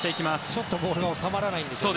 ちょっとボールが収まらないんですね。